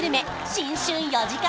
新春４時間